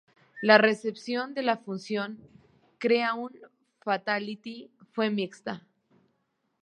La recepción de la función de Krea-un-Fatality fue mixta.